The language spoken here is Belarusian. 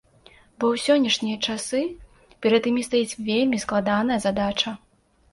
Бо ў сённяшнія часы перад імі стаіць вельмі складаная задача.